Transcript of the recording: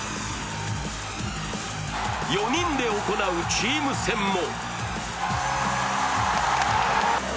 ４人で行うチーム戦も。